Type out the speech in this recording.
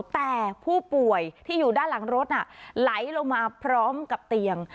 แต่ผู้ป่วยที่อยู่ด้านหลังรถน่ะไหลลงมาพร้อมกับเตียง